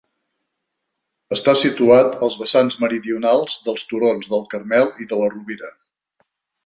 Està situat als vessants meridionals dels turons del Carmel i de la Rovira.